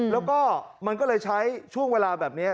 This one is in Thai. แล้วก็มันก็เลยใช้ช่วงเวลาแบบนี้